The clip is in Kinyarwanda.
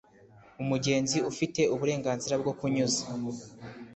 umugenzi ufite uburenganzira bwo kunyuza